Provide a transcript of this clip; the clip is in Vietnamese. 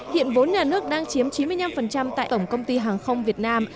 hiện vốn nhà nước đang chiếm chín mươi năm tại tổng công ty hàng không việt nam